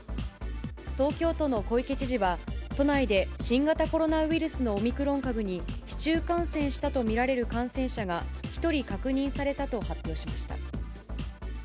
東京都の小池知事は、都内で新型コロナウイルスのオミクロン株に市中感染したと見られる感染者が、１人確認されたと発表しました。